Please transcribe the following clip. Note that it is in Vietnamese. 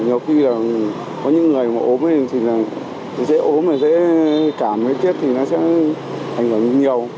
nhiều khi là có những người mà ốm thì dễ ốm dễ cảm dễ thiết thì nó sẽ ảnh hưởng nhiều